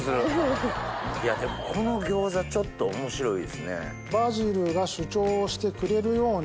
でもこの餃子ちょっと面白いですね。